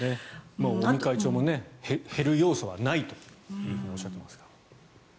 尾身会長も減る要素はないというふうにおっしゃっていますから。